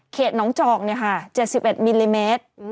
น้องจอก๗๑มิลลิเมตร